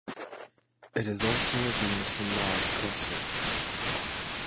It is also a Venus and Mars-crosser.